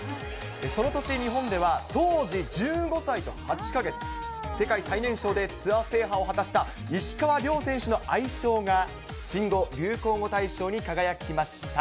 その年、日本では当時１５歳と８か月、世界最年少でツアー制覇を果たした石川遼選手の愛称が、新語・流行語大賞に輝きました。